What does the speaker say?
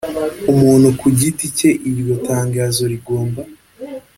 umuntu ku giti cye iryo tangazo rigomba